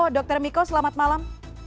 dokter miko selamat malam